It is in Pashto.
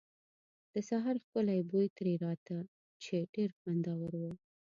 د سهار ښکلی بوی ترې راته، چې ډېر خوندور و.